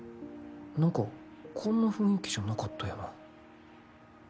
何かこんな雰囲気じゃなかったよな